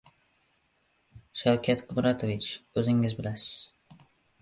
Shavkat Qudratovich, o‘zingiz bilasiz.